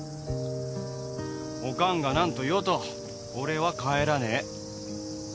おかんが何と言おうと俺は帰らねえ。